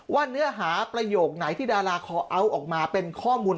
เนื้อหาประโยคไหนที่ดาราคอเอาท์ออกมาเป็นข้อมูล